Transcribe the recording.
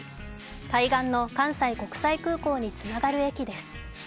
対岸の関西国際空港につながる駅です。